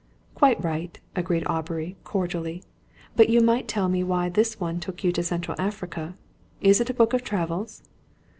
"Quite right," agreed Aubrey, cordially. "But you might tell me why this one took you to Central Africa. Is it a book of travels?"